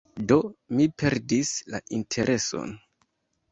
Do, mi perdis la intereson.